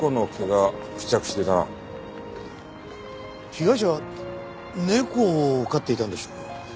被害者は猫を飼っていたんでしょうか。